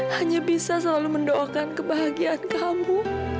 hanya bisa selalu mendoakan kebahagiaan kamu